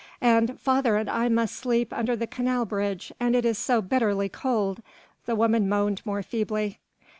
"And father and I must sleep under the canal bridge and it is so bitterly cold," the woman moaned more feebly.